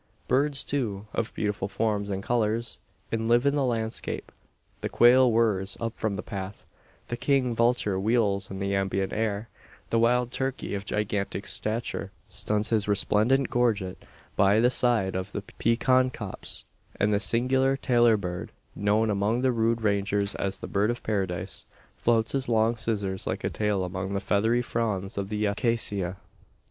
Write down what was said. Birds, too, of beautiful forms and colours, enliven the landscape. The quail whirrs up from the path; the king vulture wheels in the ambient air; the wild turkey, of gigantic stature, suns his resplendent gorget by the side of the pecan copse, and the singular tailor bird known among the rude Rangers as the "bird of paradise" flouts his long scissors like tail among the feathery fronds of the acacia.